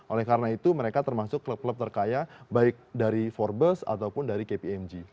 oleh karena itu mereka termasuk klub klub terkaya baik dari forbes ataupun dari kpmg